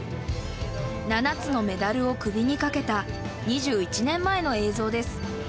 ７つのメダルを首にかけた２１年前の映像です。